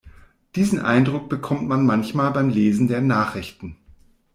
Diesen Eindruck bekommt man manchmal beim Lesen der Nachrichten.